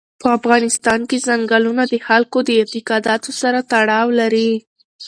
په افغانستان کې ځنګلونه د خلکو د اعتقاداتو سره تړاو لري.